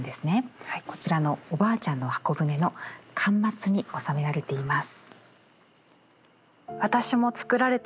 こちらの「おばあちゃんのはこぶね」の巻末に収められています。